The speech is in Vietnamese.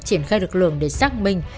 triển khai lực lượng để xác minh